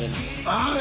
ああ